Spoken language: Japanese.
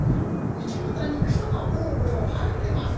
「道ばたに草がぼうぼう生えてます」。